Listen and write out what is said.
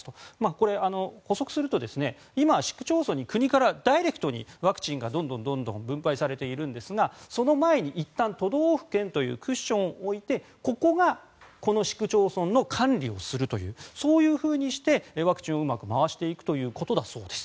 これ、補足すると今、市区町村に国からダイレクトにワクチンがどんどん分配されているんですがその前にいったん都道府県というクッションを置いてここがこの市区町村の管理をするというそういうふうにしてワクチンをうまく回していくということだそうです。